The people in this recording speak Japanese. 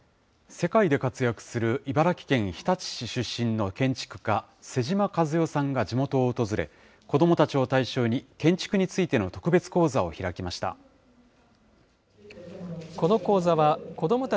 世界で活躍する茨城県日立市出身の建築家、妹島和世さんが地元を訪れ、子どもたちを対象に建築についての特別講座を開きました。